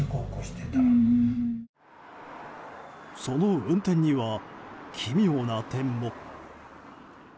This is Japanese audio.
その運転には奇妙な点も。